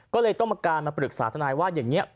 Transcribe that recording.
ก็เลยต้องมาการมาปรึกษาทนายว่าอย่างนี้